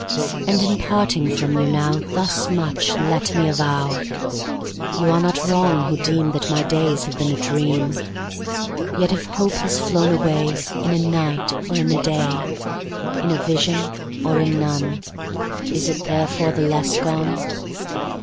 And, in parting from you now, Thus much let me avow You are not wrong, who deem That my days have been a dream: Yet if hope has flown away In a night, or in a day, In a vision or in none, Is it therefore the less gone?